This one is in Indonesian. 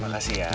terima kasih ya